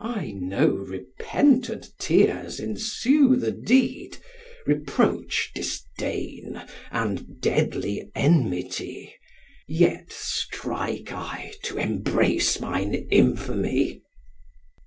I know repentant tears ensue the deed, Reproach, disdain, and deadly enmity; Yet strike I to embrace mine infamy.'